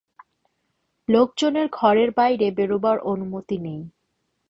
লোকজনের ঘরের বাইরে বেরুবার অনুমতি নেই।